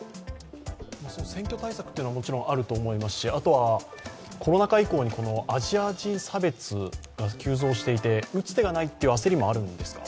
選挙対策というのはもちろんあると思いますし、あとはコロナ禍以降にアジア人差別が急増していて打つ手がないという焦りもあるんですか？